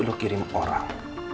lu kirim orang